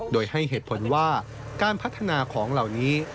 โดยให้เหตุผลว่าการพัฒนาของเหล่านี้